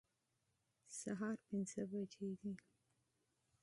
سهار پنځه بجې دي